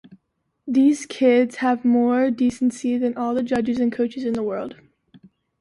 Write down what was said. These kids have more decency than all the judges and coaches in the world.